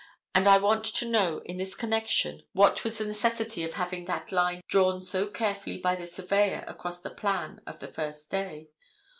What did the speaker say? And I want to know in this connection what was the necessity of having that line drawn so carefully by the surveyor across the plan of the first day.